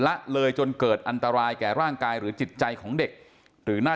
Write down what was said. ละเลยจนเกิดอันตรายแก่ร่างกายหรือจิตใจของเด็กหรือหน้า